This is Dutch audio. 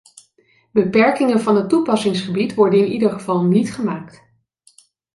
Beperkingen van het toepassingsgebied worden in ieder geval niet gemaakt.